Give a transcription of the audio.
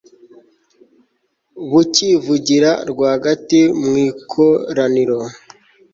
bukivugira rwagati mu ikoraniro